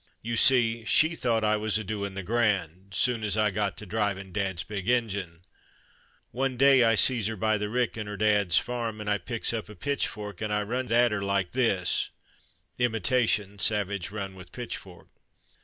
You see, she thought I was a doin' the grand, soon as I got to drivin' Dad's big engine. One day I sees 'er by the rick in 'er Dad's farm, and I picks up a pitchfork and I runs at 'er this like (imitation, savage run with pitchfork).